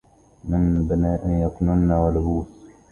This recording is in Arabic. من بناءٍ يَكِنُّنا ولَبُوسٍ